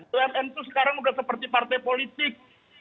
bumn itu sekarang udah seperti partai politik